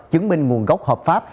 chứng minh nguồn gốc hợp pháp